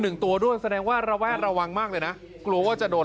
หนึ่งตัวด้วยแสดงว่าระแวดระวังมากเลยนะกลัวว่าจะโดน